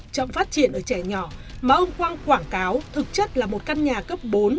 trẻ nhỏ mà ông quang quảng cáo thực chất là một căn nhà cấp bốn